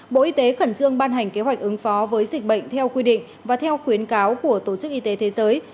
bộ y tế khẩn trương ban hành kế hoạch ứng phó với dịch bệnh theo quy định và theo khuyến cáo của tổ chức y tế thế giới